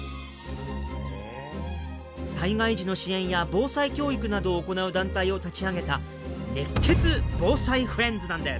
災害時の支援や防災教育などを行う団体を立ち上げた「熱血防災フレンズ」なんです！